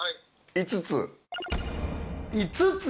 ５つ！？